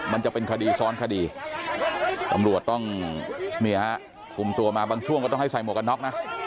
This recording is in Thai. มันจะเป็นคดีซ้อนคดีตำรวจต้องเนี่ยคุมตัวมาบางช่วงก็ต้องให้ใส่หมวกกันน็อกนะ